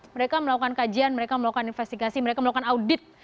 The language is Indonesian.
mereka melakukan kajian mereka melakukan investigasi mereka melakukan audit